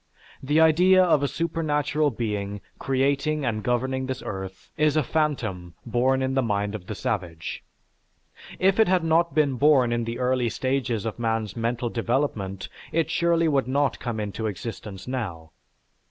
The idea of a supernatural being creating and governing this earth is a phantom born in the mind of the savage. If it had not been born in the early stages of man's mental development, it surely would not come into existence now.